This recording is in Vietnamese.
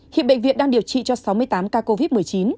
hiện bệnh viện đang điều trị cho sáu mươi tám ca covid một mươi chín